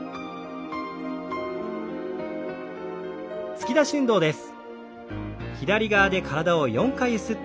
突き出し運動です。